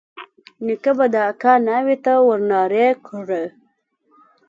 نيکه به د اکا ناوې ته ورنارې کړې.